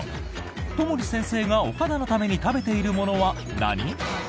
友利先生がお肌のために食べているものは何？